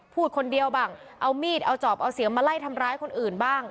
พูดคนเดียวบ้างเอามีดเอาจอบเอาเสียงมาไล่ทำร้ายคนอื่นบ้าง